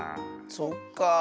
そっかあ。